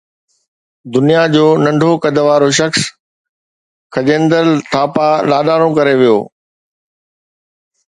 دنيا جو ننڍو قد وارو شخص کجيندر ٿاپا لاڏاڻو ڪري ويو